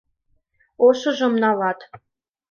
Ошыжым налат.